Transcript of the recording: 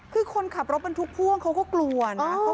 คือคนขับรถบรรทุกพ่วงเขาก็กลัวนะ